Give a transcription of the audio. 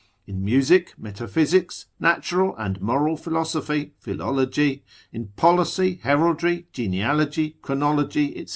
In music, metaphysics, natural and moral philosophy, philology, in policy, heraldry, genealogy, chronology, &c.